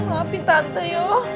maafin tante ya